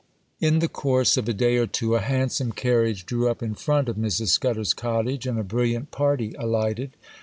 IN the course of a day or two, a handsome carriage drew up in front of Mrs. Scudder's cottage, and a brilliant party alighted.